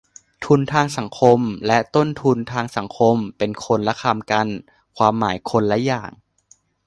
"ทุนทางสังคม" และ "ต้นทุนทางสังคม" เป็นคนละคำกัน ความหมายคนละอย่าง